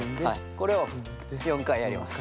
これを４回やります。